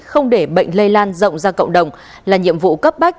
không để bệnh lây lan rộng ra cộng đồng là nhiệm vụ cấp bách